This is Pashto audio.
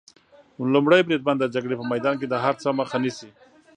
لومړی بریدمن د جګړې په میدان کې د هر څه مخه نیسي.